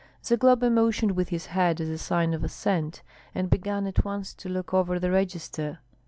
Zagloba motioned with his head as a sign of assent, and began at once to look over the register.